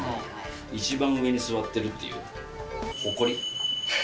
一番上に座っているという誇り。